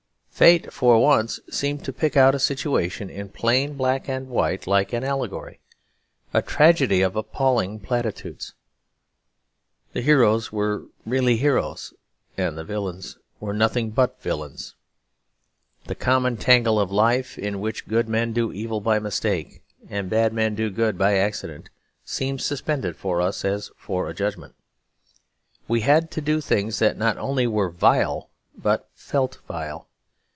Fate for once seemed to pick out a situation in plain black and white like an allegory; a tragedy of appalling platitudes. The heroes were really heroes; and the villains were nothing but villains. The common tangle of life, in which good men do evil by mistake and bad men do good by accident, seemed suspended for us as for a judgment. We had to do things that not only were vile, but felt vile.